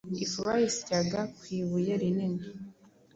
Ifu bayisyaga ku ibuye rinini,